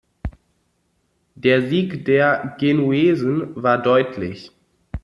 Der Sieg der Genuesen war deutlich.